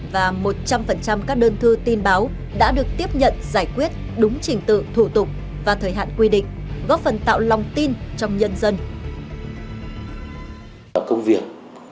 và một trăm linh các đơn thư tin báo đã được tiếp nhận giải quyết đúng trình tự thủ tục và thời hạn quy định góp phần tạo lòng tin trong nhân dân